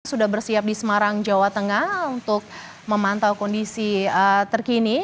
sudah bersiap di semarang jawa tengah untuk memantau kondisi terkini